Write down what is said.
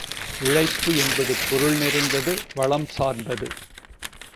உழைப்பு என்பது பொருள் நிறைந்தது வளம் சார்ந்தது.